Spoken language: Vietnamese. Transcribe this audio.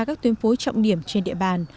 các tuyến phối trọng điểm trên địa bàn